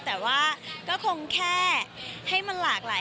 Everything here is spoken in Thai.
แต่ว่าก็คงแค่ให้มันหลากหลาย